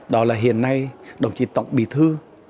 đó là hiện nay đồng chí tổng bỉ thư